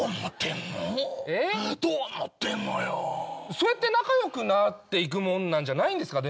そうやって仲良くなっていくもんなんじゃないんですか？